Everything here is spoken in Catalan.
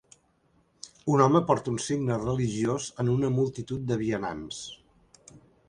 Un home porta un signe religiós en una multitud de vianants